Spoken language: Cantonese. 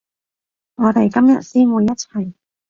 我哋今日先會一齊